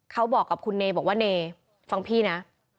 เขาบอกกับคุณเนบอกว่าเนฟังพี่นะ